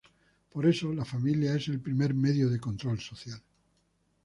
Por eso la familia es el primer medio de control social.